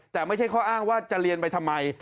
แต่ไม่ใช่ข้ออ้างว่าจะเรียนไปทำไม